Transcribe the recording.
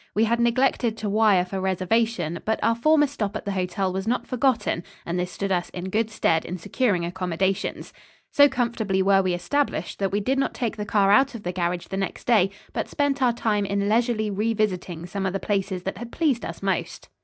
We had neglected to wire for reservation, but our former stop at the hotel was not forgotten and this stood us in good stead in securing accommodations. So comfortably were we established that we did not take the car out of the garage the next day but spent our time in leisurely re visiting some of the places that had pleased us most.